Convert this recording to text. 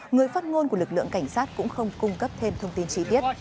người phát ngôn của lực lượng cảnh sát cũng không cung cấp thêm thông tin chi tiết